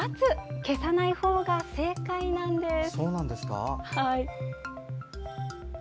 消さないほうが正解なんです。